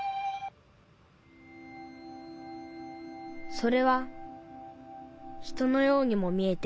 それは人のようにも見えて